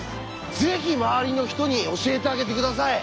ぜひ周りの人に教えてあげて下さい。